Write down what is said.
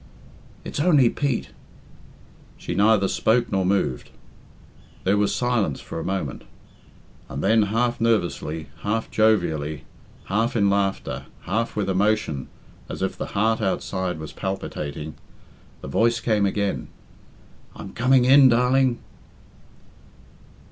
"It's only Pete." She neither spoke nor moved. There was silence for a moment, and then, half nervously, half jovially, half in laughter, half with emotion as if the heart outside was palpitating, the voice came again, "I'm coming in, darling!"